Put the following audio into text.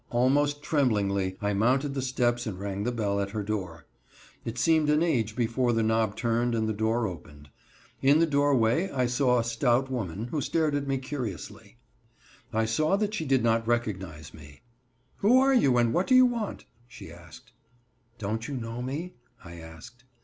Almost tremblingly I mounted the steps and rang the bell at her door. It seemed an age before the knob turned and the door opened. In the doorway I saw a stout woman, who stared at me curiously. I saw that she did not recognize me. "Who are you and what do you want?" she asked. "Don't you know me?" I asked.